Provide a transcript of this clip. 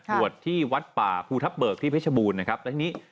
บวชที่วัดป่าภูทับเบิกที่เพชรบูรณ์นะครับแล้วทีนี้